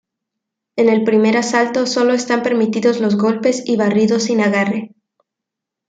En el primer asalto sólo están permitidos los golpes y barridos sin agarre.